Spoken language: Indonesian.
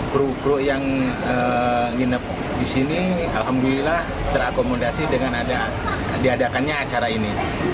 kru kru yang nginep di sini alhamdulillah terakomodasi dengan diadakannya acara ini